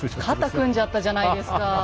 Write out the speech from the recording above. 肩組んじゃったじゃないですか。